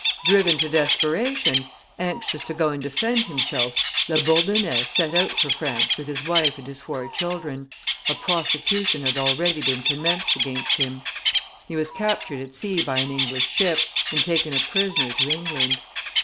Driven to desperation, anxious to go and defend himself, La Bourdonnais set out for France with his wife and his four children; a prosecution had already been commenced against him. He was captured at sea by an English ship, and taken a prisoner to England.